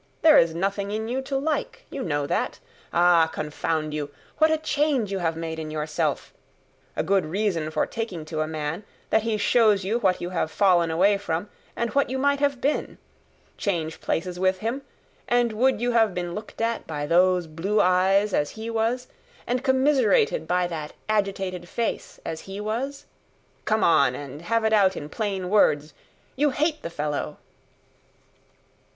There is nothing in you to like; you know that. Ah, confound you! What a change you have made in yourself! A good reason for taking to a man, that he shows you what you have fallen away from, and what you might have been! Change places with him, and would you have been looked at by those blue eyes as he was, and commiserated by that agitated face as he was? Come on, and have it out in plain words! You hate the fellow."